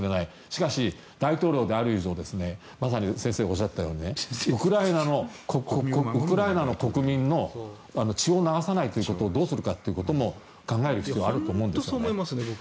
しかし、大統領である以上まさに先生がおっしゃったようにウクライナの国民の血を流さないということをどうするかということも本当にそう思います。